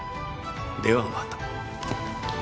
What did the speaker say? ではまた。